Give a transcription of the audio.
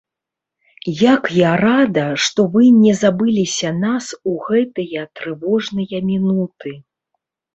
Як я рада, што вы не забыліся нас у гэтыя трывожныя мінуты.